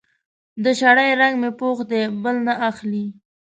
د شړۍ رنګ مې پوخ دی؛ بل نه اخلي.